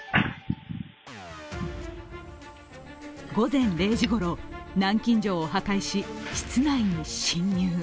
午前０時ごろ、南京錠を破壊し室内に侵入。